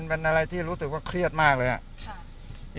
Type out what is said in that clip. เป็นอะไรที่รู้สึกว่าเครียดมากเลยอะ